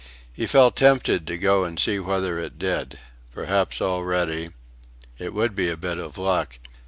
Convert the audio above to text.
He felt tempted to go and see whether it did. Perhaps already.. It would be a bit of luck.